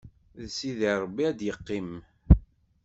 D Sidi Ṛebbi ad yeqqim.